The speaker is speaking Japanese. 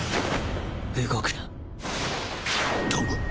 「動くな」！